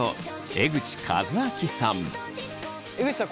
江口さん